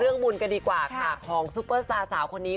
บุญกันดีกว่าค่ะของซุปเปอร์สตาร์สาวคนนี้